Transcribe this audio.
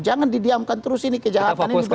jangan didiamkan terus ini kejahatan ini